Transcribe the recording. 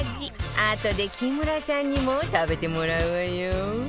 あとで木村さんにも食べてもらうわよ